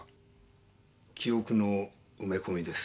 記憶の埋め込みです。